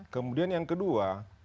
kemudian yang kedua